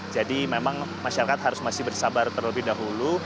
jadi memang masyarakat harus masih bersabar terlebih dahulu